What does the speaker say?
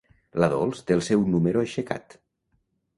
La Dols té el seu número aixecat.